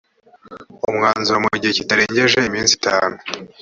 umwanzuro mu gihe kitarengeje iminsi itanu